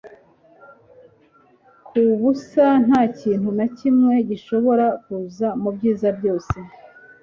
Kubusa ntakintu na kimwe gishobora kuza mubyiza byose